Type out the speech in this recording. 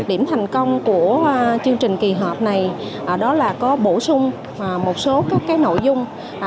điểm thành công của chương trình kỳ họp này đó là có bổ sung một số các nội dung